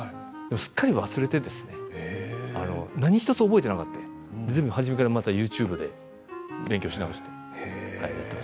すっかり忘れていて何１つ覚えていなくて最初からＹｏｕＴｕｂｅで勉強して。